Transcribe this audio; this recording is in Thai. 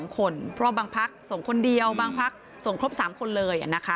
๓คนเพราะบางพักส่งคนเดียวบางพักส่งครบ๓คนเลยนะคะ